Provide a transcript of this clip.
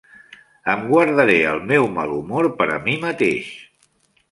Em guardaré el meu malhumor per a mi mateix.